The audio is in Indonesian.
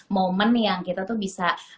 momen yang kita tuh bisa